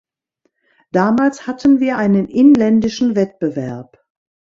Damals hatten wir einen inländischen Wettbewerb.